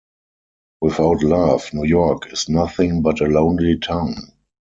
Without love, New York is nothing but a Lonely Town.